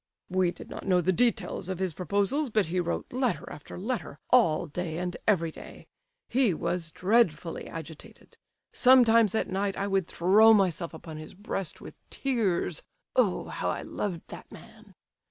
"We did not know the details of his proposals, but he wrote letter after letter, all day and every day. He was dreadfully agitated. Sometimes at night I would throw myself upon his breast with tears (Oh, how I loved that man!).